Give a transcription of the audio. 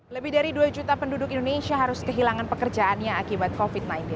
lebih dari dua juta penduduk indonesia harus kehilangan pekerjaannya akibat covid sembilan belas